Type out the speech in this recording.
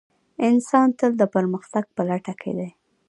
انسان تل د پرمختګ په لټه کې دی.